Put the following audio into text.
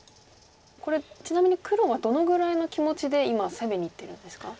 これちなみに黒はどのぐらいの気持ちで今攻めにいってるんですか？